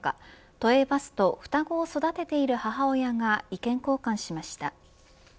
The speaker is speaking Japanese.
都営バスと双子を育てている母親が意見交換しました。